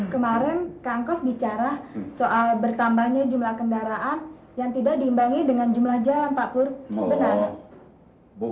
kemarin kang kos bicara soal bertambahnya jumlah kendaraan yang tidak diimbangi dengan jumlah jalan pak pur